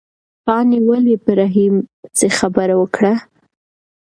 پاڼې ولې په رحیم پسې خبره وکړه؟